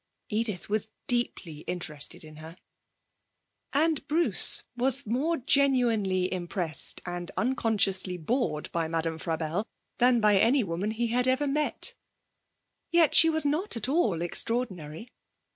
Edith was deeply interested in her. And Bruce was more genuinely impressed and unconsciously bored by Madame Frabelle than by any woman he had ever met. Yet she was not at all extraordinary.